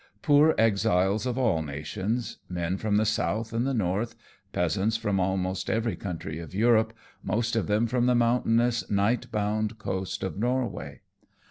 Poor exiles of all nations; men from the south and the north, peasants from almost every country of Europe, most of them from the mountainous, night bound coast of Norway.